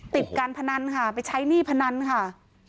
การพนันค่ะไปใช้หนี้พนันค่ะ